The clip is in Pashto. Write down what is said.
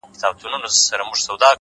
o نور به شاعره زه ته چوپ ووسو ـ